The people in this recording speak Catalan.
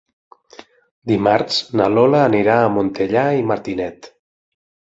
Dimarts na Lola anirà a Montellà i Martinet.